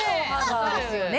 そうですよね。